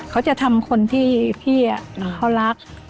เขาจะทำคนที่พี่เขารัก